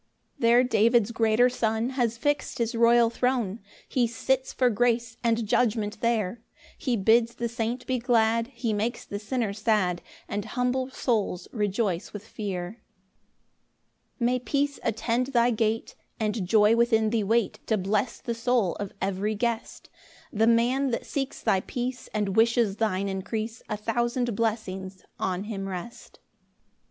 3 There David's greater Son Has fix'd his royal throne, He sits for grace and judgment there; He bids the saint be glad, He makes the sinner sad, And humble souls rejoice with fear. 4 May peace attend thy gate, And joy within thee wait To bless the soul of every guest! The man that seeks thy peace, And wishes thine increase, A thousand blessings on him rest!